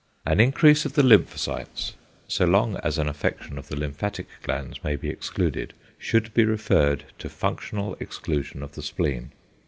An increase of the lymphocytes, so long as an affection of the lymphatic glands may be excluded, should be referred to functional exclusion of the spleen.